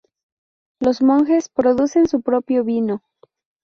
Los monjes producen su propio vino.